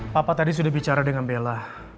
papa tadi sudah bicara dengan bella